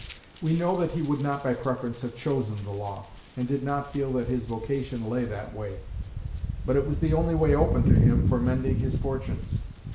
We know that he would not by preference have chosen the law, and did not feel that his vocation lay that way; but it was the only way open to him for mending his fortunes.